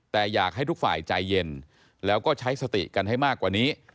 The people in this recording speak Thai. แต่อยากให้ทุกฝ่ายใจเย็นแล้วก็ใช้สติกันให้มากกว่านี้